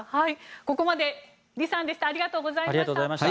ここまで李さんでした。